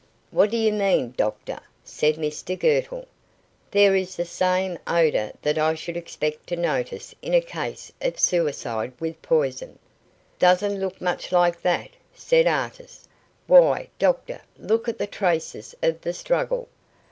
"What do you mean, doctor?" said Mr Girtle. "There is the same odour that I should expect to notice in a case of suicide with poison." "Doesn't look much like that," said Artis. "Why, doctor, look at the traces of the struggle."